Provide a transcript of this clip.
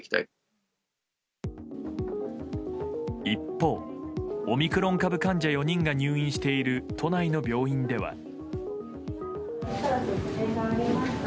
一方、オミクロン株患者４人が入院している都内の病院では。